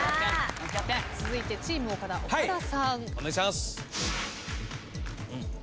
続いてチーム岡田岡田さん。